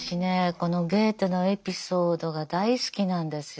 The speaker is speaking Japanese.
このゲーテのエピソードが大好きなんですよ。